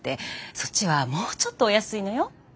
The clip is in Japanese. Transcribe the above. そっちはもうちょっとお安いのよ。